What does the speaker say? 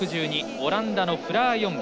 オランダのフラー・ヨング。